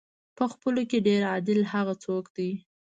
په خپلو کې ډېر عادل هغه څوک دی.